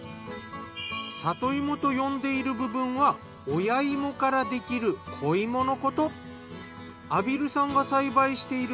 里芋と呼んでいる部分は親芋からできる子芋のこと。